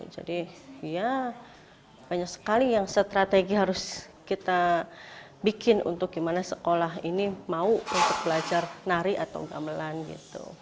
jadi ya banyak sekali yang strategi harus kita bikin untuk gimana sekolah ini mau untuk belajar nari atau gamelan gitu